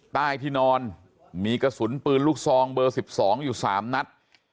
ใต้ที่นอนมีกระสุนปืนลูกซองเบอร์๑๒อยู่๓นัด